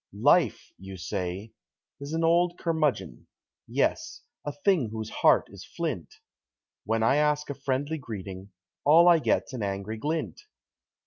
"Life," you say, "'s an old curmudgeon; yes, a thing whose heart is flint; When I ask a friendly greeting, all I get's an angry glint.